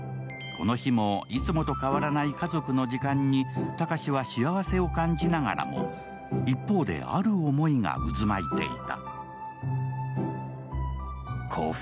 この日も、いつもと変わらない家族の時間に高志は幸せを感じながらも一方である思いが渦巻いていた。